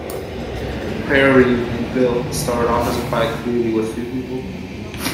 Prairieville started off as a quiet community with few people.